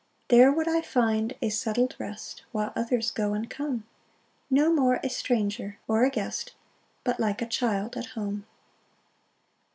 6 There would I find a settled rest, (While others go and come) No more a stranger or a guest, But like a child at home.